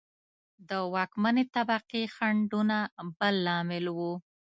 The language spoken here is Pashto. د واکمنې طبقې خنډونه بل لامل و.